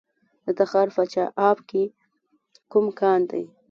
د تخار په چاه اب کې کوم کان دی؟